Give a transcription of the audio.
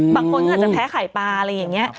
บางคนก็อาจจะแพ้ไข่ปลาอะไรอย่างนี้